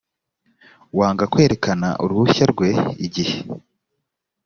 wanga kwerekana uruhushya rwe igihe